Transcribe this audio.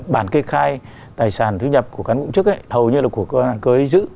bản kê khai tài sản thu nhập của cán bộ ủng chức hầu như là của cơ giới giữ